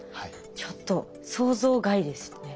ちょっと想像外でしたね。